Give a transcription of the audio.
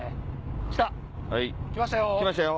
来た！来ましたよ。